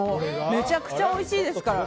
めちゃくちゃおいしいですから。